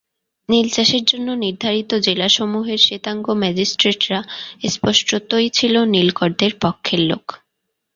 নীলচাষের জন্য নির্ধারিত জেলাসমূহের শ্বেতাঙ্গ ম্যাজিস্ট্রেটরা স্পষ্টতই ছিল নীলকরদের পক্ষের লোক।